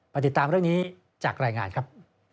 ติดตามเรื่องนี้จากรายงานครับ